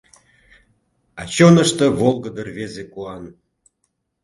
А чонышто — волгыдо рвезе куан.